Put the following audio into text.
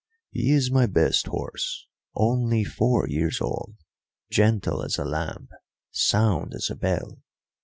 "He is my best horse, only four years old, gentle as a lamb, sound as a bell.